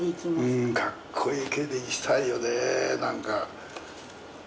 うん、格好いい系でいきたいよね、なんか。